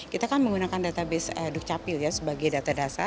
kita kan menggunakan database dukcapil ya sebagai data dasar